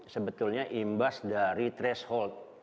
sebetulnya imbas dari threshold